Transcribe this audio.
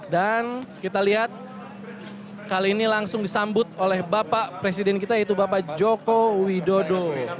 kita lihat kali ini langsung disambut oleh bapak presiden kita yaitu bapak joko widodo